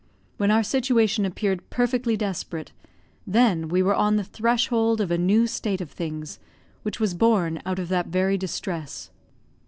When our situation appeared perfectly desperate, then were we on the threshold of a new state of things, which was born out of that very distress.